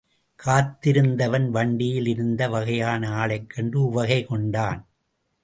காத்திருந் தவன் வண்டியில் இருந்த வகையான ஆளைக்கண்டு உவகை கொண்டான்.